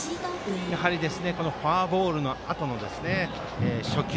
やはりフォアボールのあとの初球。